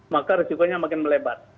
maka resikonya makin melebat